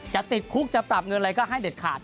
จะติดคุกจะปรับเงินอะไรก็ให้เด็ดขาด